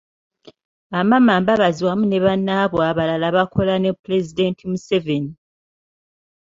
Amama Mbabazi wamu ne Bannaabwe abalala bakola ne Pulezidenti Museveni.